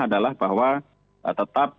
adalah bahwa tetap